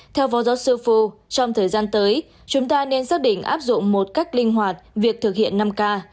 theo phó giáo sư fo trong thời gian tới chúng ta nên xác định áp dụng một cách linh hoạt việc thực hiện năm k